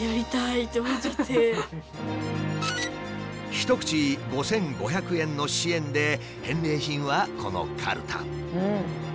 一口５，５００円の支援で返礼品はこのカルタ。